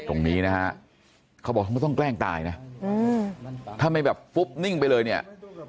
ตรงนี้นะฮะเขาบอกเขาไม่ต้องแกล้งตายนะถ้าไม่แบบปุ๊บนิ่งไปเลยเนี่ย